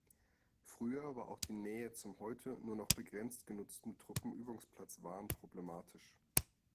Früher war auch die Nähe zum heute nur noch begrenzt genutzten Truppenübungsplatz Wahn problematisch.